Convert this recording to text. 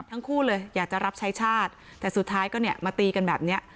ทั้งคู่เลยอยากจะรับใช้ชาติแต่สุดท้ายก็เนี่ยมาตีกันแบบเนี้ย